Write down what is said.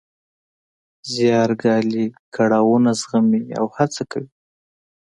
زیار ګالي، کړاوونه زغمي او هڅه کوي.